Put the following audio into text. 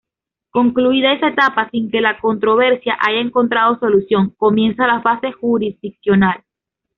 Concluida esa etapa sin que la controversia haya encontrado solución, comienza la fase jurisdiccional.